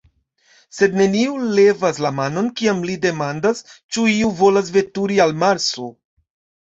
Sed neniu levas la manon, kiam li demandas, ĉu iu volas veturi al Marso.